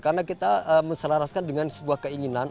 karena kita meselaraskan dengan sebuah keinginan